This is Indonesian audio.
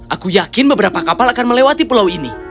aku yakin beberapa kapal akan melewati pulau ini